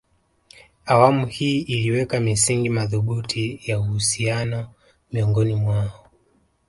Awamu hii iliweka misingi madhubuti ya uhusiano miongoni mwao